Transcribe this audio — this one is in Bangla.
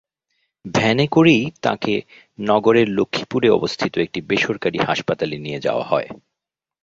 ভ্যানে করেই তাঁকে নগরের লক্ষ্মীপুরে অবস্থিত একটি বেসরকারি হাসপাতালে নিয়ে যাওয়া হয়।